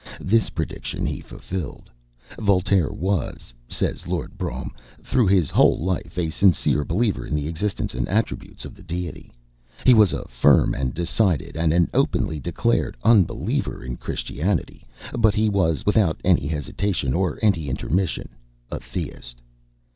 This prediction he fulfilled. "Voltaire was," says Lord Brougham, "through his whole life, a sincere believer in the existence and attributes of the Deity. He was a firm and decided, and an openly declared unbeliever in Christianity; but he was, without any hesitation or any intermission, a Theist."